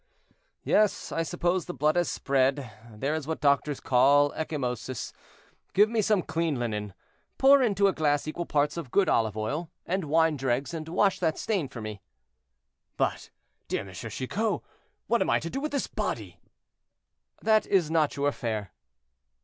"Yes, I suppose the blood has spread; there is what doctors call ecchymosis; give me some clean linen, pour into a glass equal parts of good olive oil and wine dregs, and wash that stain for me." "But, dear M. Chicot, what am I to do with this body?" "That is not your affair."